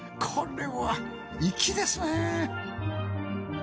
これは粋ですね。